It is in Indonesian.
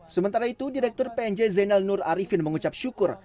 sementara itu direktur pnj zenal nur arifin mengucap syukur